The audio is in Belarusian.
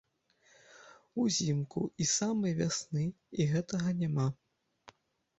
Узімку і з самай вясны і гэтага няма.